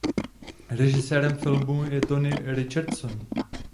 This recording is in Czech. Režisérem filmu je Tony Richardson.